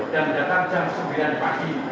dan datang jam sembilan pagi